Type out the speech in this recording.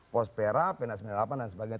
pospera pna sembilan puluh delapan dan sebagainya